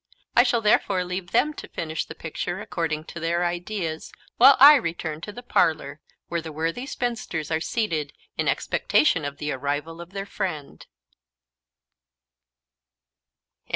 I shall therefore leave them to finish the picture according to their ideas, while I return to the parlour, where the worthy spinsters are seated in expectation of the arrival of their friend.